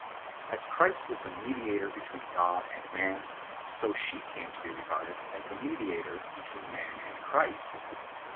As Christ was the Mediator between God and man, so she came to be regarded as the mediator between man and Christ.